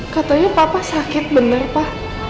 katanya papa sakit bener pa